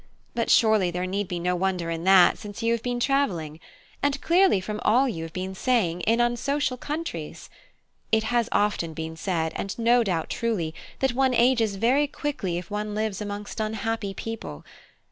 But surely there need be no wonder in that, since you have been travelling; and clearly from all you have been saying, in unsocial countries. It has often been said, and no doubt truly, that one ages very quickly if one lives amongst unhappy people.